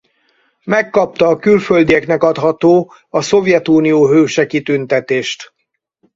Megkapta a külföldieknek adható a Szovjetunió Hőse kitüntetést.